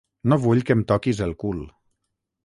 No vull que em toquis el cul.